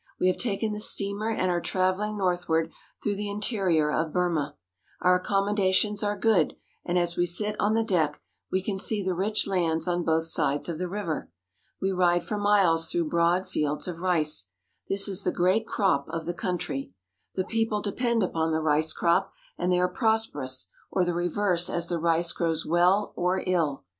We have taken the steamer and are traveling northward through the interior of Burma. Our accommodations are good, and as we sit on the deck we can see the rich lands on both sides of the river. We ride for miles through broad fields of rice. This is the great crop of the country. The people depend upon the rice crop, and they are prosperous or the reverse as the rice grows well or ill.